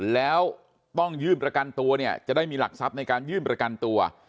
แล้วต้องยื่นประกันตัวเนี่ยจะได้มีหลักทรัพย์ในการยื่นประกันตัว